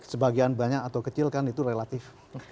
sebagian banyak atau kecil kan itu relatif